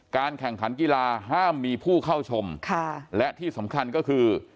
แข่งขันกีฬาห้ามมีผู้เข้าชมค่ะและที่สำคัญก็คือ